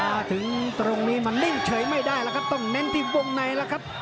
มาถึงตรงนี้มันนิ่งเฉยไม่ได้แล้วครับต้องเน้นที่วงในแล้วครับ